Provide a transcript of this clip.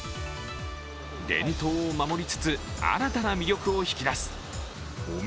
伝統を守りつつ新たな魅力を引き出す汚名